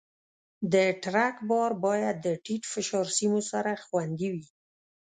د ټرک بار باید د ټیټ فشار سیمو سره خوندي وي.